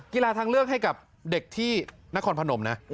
กีฬาทางเลือกให้กับเด็กที่นครพนมนะ